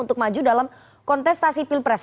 untuk maju dalam kontestasi pilpres